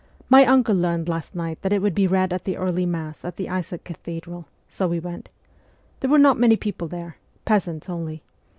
My uncle learned last night that it would be read at the early Mass at the Isaac Cathedral ; so we went. There were not many people there ; peasants only.